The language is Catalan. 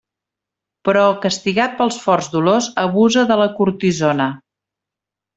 Però, castigat pels forts dolors, abusa de la cortisona.